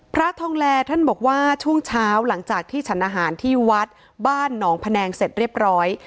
พระทองแลท่านบอกว่าช่วงเช้าหลังจากที่ฉันอาหารที่วัดบ้านหนองพะแนงเสร็จเรียบร้อย